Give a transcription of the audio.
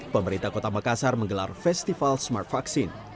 pemerintah kota makassar menggelar festival smart vaksin